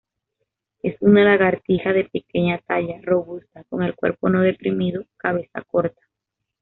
Es una lagartija de pequeña talla, robusta, con el cuerpo no deprimido, cabeza corta.